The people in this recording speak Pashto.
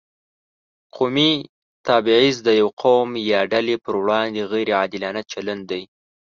قومي تبعیض د یو قوم یا ډلې پر وړاندې غیر عادلانه چلند دی.